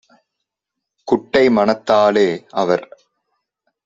குட்டை மனத்தாலே - அவர்